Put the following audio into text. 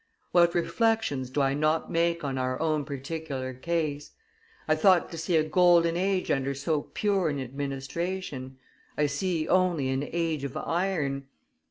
What reflections do I not make on our own particular case! I thought to see a golden age under so pure an administration; I see only an age of iron.